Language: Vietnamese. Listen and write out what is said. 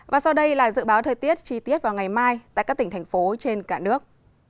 và sau đây là dự báo thời tiết chi tiết vào ngày mai tại các tỉnh thành phố trên cả nước